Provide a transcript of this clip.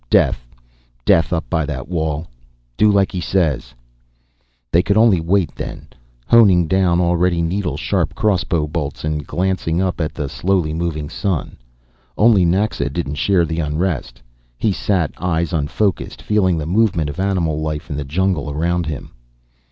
Death, death up by that wall. Do like 'e says." They could only wait then, honing down already needle sharp crossbow bolts, and glancing up at the slowly moving sun. Only Naxa didn't share the unrest. He sat, eyes unfocused, feeling the movement of animal life in the jungle around them.